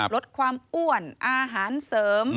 ลดความอ้วนอาหารเสริม